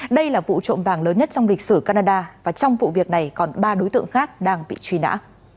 đây là vụ trộm vàng lớn nhất trong lịch sử canada và trong vụ việc này còn ba đối tượng khác đang bị truy nã